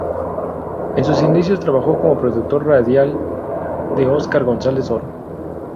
Es sus inicios trabajó como productor radial de Oscar González Oro.